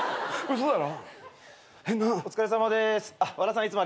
嘘だろ？